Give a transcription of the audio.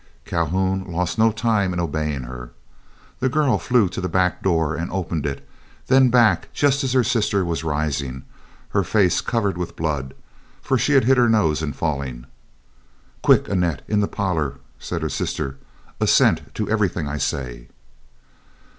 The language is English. Calhoun lost no time in obeying her. The girl flew to the back door and opened it, then back just as her sister was rising, her face covered with blood, for she had hit her nose in falling. "Quick, Annette, in the parlor," said her sister; "assent to everything I say."